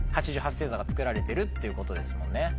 星座が作られてるっていうことですもんね。